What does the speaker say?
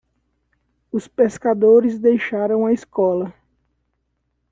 Os pescadores deixaram a escola.